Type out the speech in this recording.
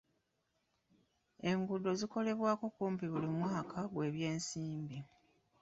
Enguudo zikolebwako kumpi buli mwaka gw'ebyensimbi.